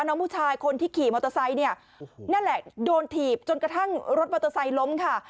น้องผู้ชายคนที่ขี่มอเตอร์ไซค์เนี่ยนั่นแหละโดนถีบจนกระทั่งรถมอเตอร์ไซค์ล้มค่ะ